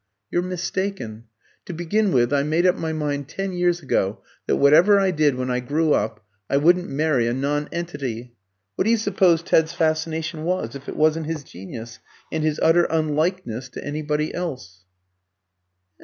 You're mistaken. To begin with, I made up my mind ten years ago that whatever I did when I grew up, I wouldn't marry a nonentity. What do you suppose Ted's fascination was, if it wasn't his genius, and his utter unlikeness to anybody else?"